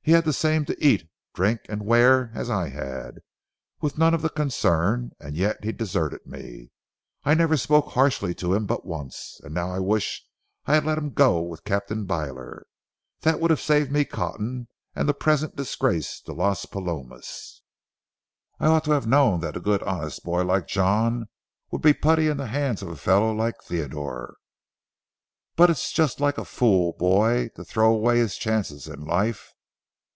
He had the same to eat, drink, and wear as I had, with none of the concern, and yet he deserted me. I never spoke harshly to him but once, and now I wish I had let him go with Captain Byler. That would have saved me Cotton and the present disgrace to Las Palomas. I ought to have known that a good honest boy like John would be putty in the hands of a fellow like Theodore. But it's just like a fool boy to throw away his chances in life.